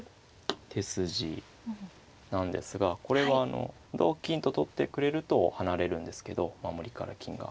手筋なんですがこれはあの同金と取ってくれると離れるんですけど守りから金が。